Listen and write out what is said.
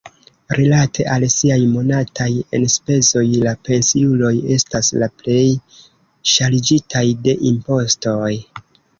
Rilate al siaj monataj enspezoj, la pensiuloj estas la plej ŝarĝitaj de impostoj.